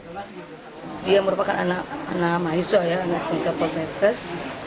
dia merupakan anak mahasiswa anak spesial protekus